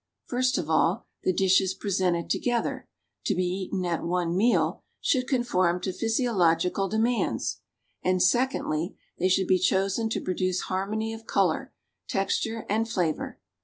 First of all, the dishes presented together, to be eaten at one meal, should conform to physiological demands ; and , secondly, they should be chosen to produce harmony of color, texture and flavor.